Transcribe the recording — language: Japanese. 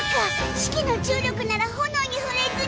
シキの重力なら炎に触れずに。